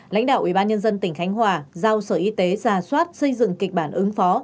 lãnh đạo ubnd tỉnh khánh hòa giao sở y tế ra soát xây dựng kịch bản ứng phó